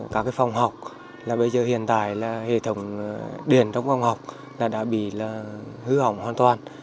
các phòng học bây giờ hiện tại hệ thống điện trong phòng học đã bị hư hỏng hoàn toàn